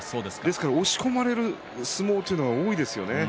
押し込まれる相撲というのが多いですよね。